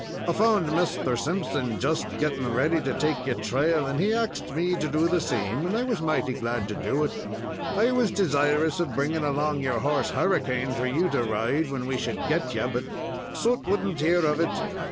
I found Misther Simpson just gettin' ready to take your trail, and he axed me to do the same, and I was mighty glad to do it. I was desirous of bringing along your horse Hurricane, for you to ride when we should get you, but Soot would n't hear of it.